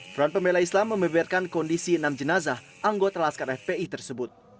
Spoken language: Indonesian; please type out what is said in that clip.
front pembela islam membeberkan kondisi enam jenazah anggota laskar fpi tersebut